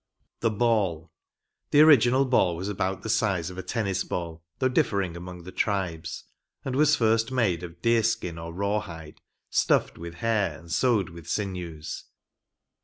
The Ball. ‚ÄĒ The original ball was about the size of a tennis ball, though differing among the tribes ; and was first made of deer skin or raw hide, stuffed with hair and sewed with sinews.